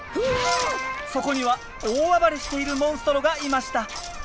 そこには大暴れしているモンストロがいました。